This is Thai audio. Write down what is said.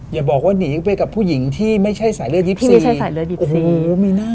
อย่าบอกว่าหนีไปกับผู้หญิงที่ไม่ใช่สายเลือดยิปซีที่ไม่ใช่สายเลือดยิปซีโอ้โหมีน่า